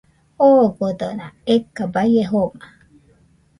Ogodona eka baie joma